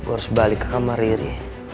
gue harus balik ke kamar ini